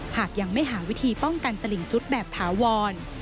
หากยังไม่หาวิธีป้องกันตลิ่งซุดแบบถาวร